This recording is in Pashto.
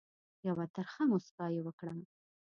یوه ترخه مُسکا یې وکړه.